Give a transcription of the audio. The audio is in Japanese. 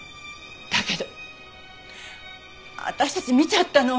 だけど私たち見ちゃったの。